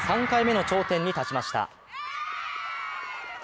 ３回目の頂点に立ちました。